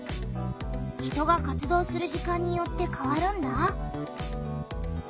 人が活動する時間によってかわるんだ。